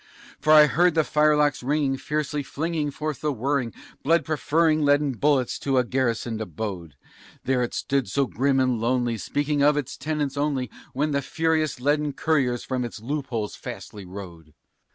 For I heard the firelocks ringing fiercely flinging forth the whirring, Blood preferring leaden bullets from a garrisoned abode; There it stood so grim and lonely, speaking of its tenants only, When the furious leaden couriers from its loopholes fastly rode.